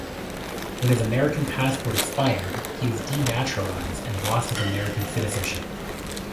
When his American passport expired, he was denaturalized and lost his American citizenship.